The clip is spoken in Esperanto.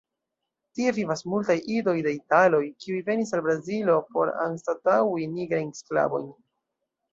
Tie vivas multaj idoj de italoj, kiuj venis al Brazilo por anstataŭi nigrajn sklavojn.